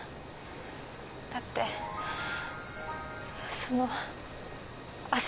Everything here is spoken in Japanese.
だってその足を。